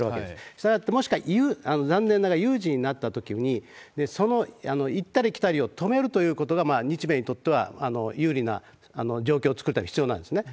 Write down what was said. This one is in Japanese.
したがって、もしか残念ながら有事になったときに、その行ったり来たりを止めるということが、日米にとっては有利な状況を作るために必要なんですね。